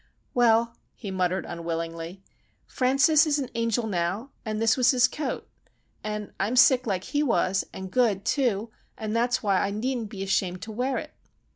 "Well," he muttered, unwillingly, "Francis is an angel now, and this was his coat. And I'm sick like he was, and good, too, and that's why I needn't be ashamed to wear it."